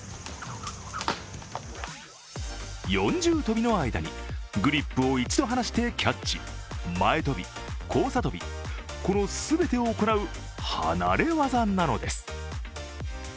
四重跳びの間にグリップを一度離してキャッチ、前飛び、交差飛び、この全てを行う離れ業なのです。